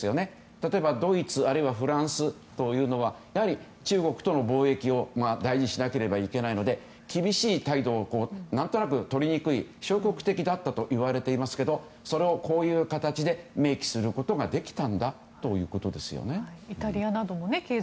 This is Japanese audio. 例えばドイツ、フランスは対中国との貿易を大事にしなければいけないので厳しい態度を何となく取りにくい消極的だったといわれていますけどもそれをこういう形で明記することができたんだということですよね。